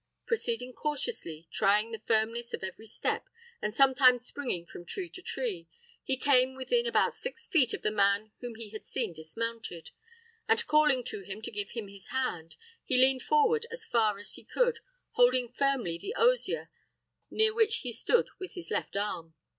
Proceeding cautiously, trying the firmness of every step, and sometimes springing from tree to tree, he came within about six feet of the man whom he had seen dismounted, and, calling to him to give him his hand, he leaned forward as far as he could, holding firmly the osier near which he stood with his left arm.